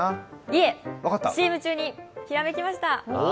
いえ、ＣＭ中にひらめきましたあ、